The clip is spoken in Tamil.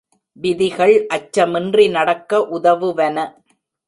விதிகள் அச்சமின்றி நடக்க உதவுவன.